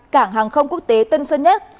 cảng hàng không quốc tế tân sơn nhất